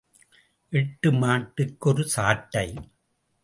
எட்டு மாட்டுக்கு ஒரு சாட்டை.